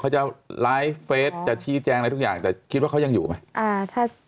เขาจะไลฟ์เฟสจะชี้แจงอะไรทุกอย่างแต่คิดว่าเขายังอยู่ไหมอ่าถ้า